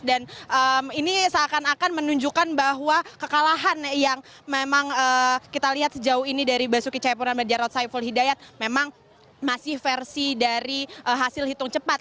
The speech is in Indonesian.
dan ini seakan akan menunjukkan bahwa kekalahan yang memang kita lihat sejauh ini dari basuki cahayapuraman dan jarot saiful hidayat memang masih versi dari hasil hitung cepat